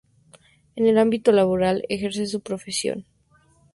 En el ámbito laboral, ejerció su profesión.